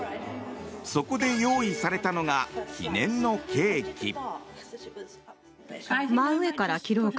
そこで用意されたのが記念のケーキ。